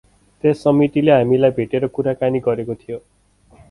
त्यस समितिले हामीलाई भेटेर कुराकानी गरेको थियो ।